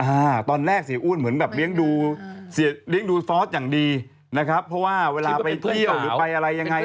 อ่าตอนแรกเสียอ้วนเหมือนแบบเลี้ยงดูเสียเลี้ยงดูฟอสอย่างดีนะครับเพราะว่าเวลาไปเที่ยวหรือไปอะไรยังไง